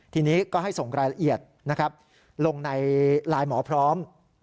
ทีนี้ก็ให้ส่งรายละเอียดนะครับลงในไลน์หมอพร้อม